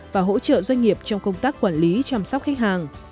và hỗ trợ doanh nghiệp trong công tác quản lý chăm sóc khách hàng